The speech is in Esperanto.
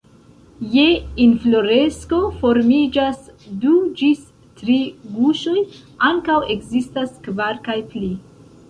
Je infloresko formiĝas du ĝis tri guŝoj, ankaŭ ekzistas kvar kaj pli.